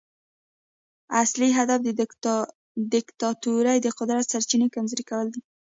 اصلي هدف د دیکتاتورۍ د قدرت سرچینې کمزوري کول دي.